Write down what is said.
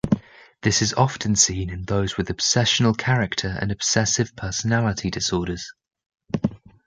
This is often seen in those with obsessional character and obsessive personality disorders.